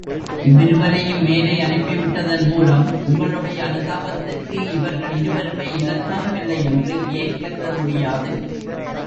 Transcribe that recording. இவ்விருவரையும் மேலே அனுப்பிவிட்டதன் மூலம், உங்களுடைய அனுதாபத்துக்கு இவர்கள் இருவருமே இலக்காகவில்லையென்று ஏன் கருதமுடியாது?